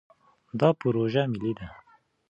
دا پروژه ملي ده.